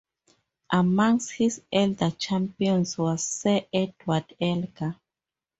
Amongst his early champions was Sir Edward Elgar.